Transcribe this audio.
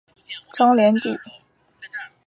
张联第。